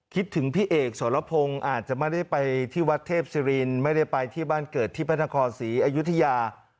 คิดถึงพี่เอกสรพงศ์อาจจะไม่ได้ไปที่วัดเทพศิรินไม่ได้ไปที่บ้านเกิดที่พระนครศรีอยุธยา